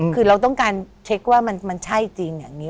คือเราต้องการเช็คว่ามันใช่จริงอย่างนี้